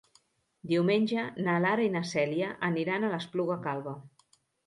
Diumenge na Lara i na Cèlia aniran a l'Espluga Calba.